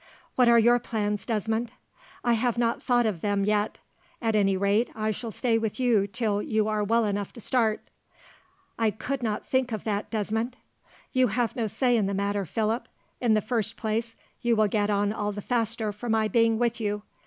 "What are your plans, Desmond?" "I have not thought of them, yet. At any rate, I shall stay with you till you are well enough to start." "I could not think of that, Desmond." "You have no say in the matter, Philip. In the first place, you will get on all the faster for my being with you.